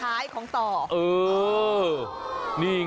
โอ้ะดูยังงี้นี่เอง